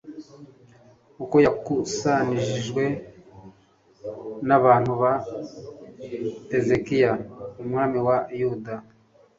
uko yakusanijwe n'abantu ba hezekiya, umwami wa yuda